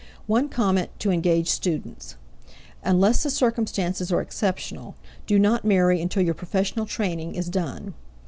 One comment to engaged students: Unless the circumstances are exceptional, do not marry until your professional training is done.